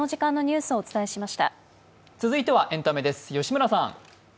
続いてはエンタメです、吉村さん。